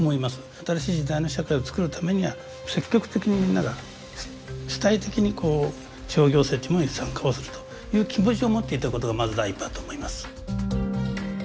新しい時代の社会を作るためには積極的にみんなが主体的に地方行政っていうものに参加をするという気持ちを持っていただくことがまず第一歩だと思います。